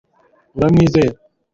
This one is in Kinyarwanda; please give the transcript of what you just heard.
uramwizera